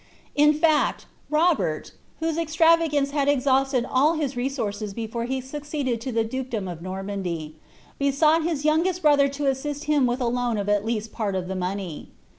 In fact, Robert, «iiwM exlravagance had exhausted all bis resources before he succeeded to iht dukedom of Normandy, besought his youtigest brother to assist bin vlth a loan of at least part of the money.